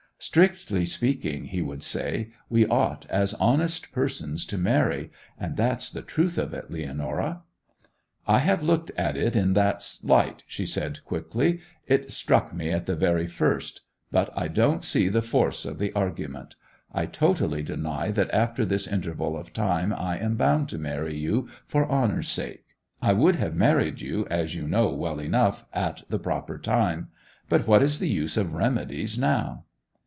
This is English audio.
'Strictly speaking,' he would say, 'we ought, as honest persons, to marry; and that's the truth of it, Leonora.' 'I have looked at it in that light,' she said quickly. 'It struck me at the very first. But I don't see the force of the argument. I totally deny that after this interval of time I am bound to marry you for honour's sake. I would have married you, as you know well enough, at the proper time. But what is the use of remedies now?